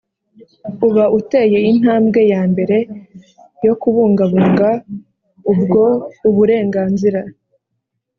uba uteye intambwe ya mbere yo kubungabunga ubwo uburenganzira.